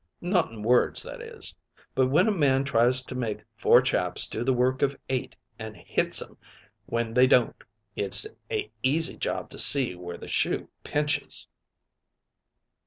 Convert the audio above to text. Not in words, that is; but when a man tries to make four chaps do the work of eight, an' hits 'em when they don't, it's a easy job to see where the shoe pinches."